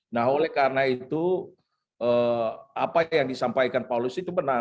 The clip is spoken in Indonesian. nah oleh karena itu apa yang disampaikan paulus itu benar